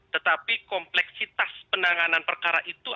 tetapi kompleksitas penanganan perkara itu